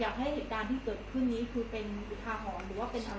เราอยากให้เหตุการณ์ที่เกิดพรุ่งนี้คือเป็นอุทาหรณ์หรือเป็นอะไรบ้าง